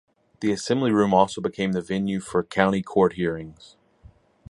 The assembly room also became the venue for county court hearings.